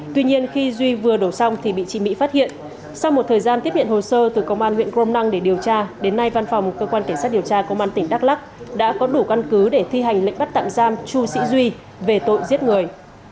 tuy nhiên khi duy vừa đổ xong thì bị chị mỹ phát hiện sau một thời gian tiếp nhận hồ sơ từ công an huyện crom năng để điều tra đến nay văn phòng cơ quan cảnh sát điều tra công an tỉnh đắk lắc đã có đủ căn cứ để thi hành lệnh bắt tạm giam chu sĩ duy về tội giết người